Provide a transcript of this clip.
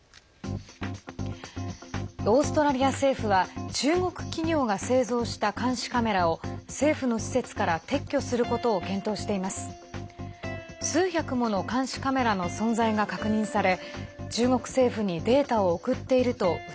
オーストラリア政府は中国企業が製造した監視カメラを政府の施設から撤去することを検討しています。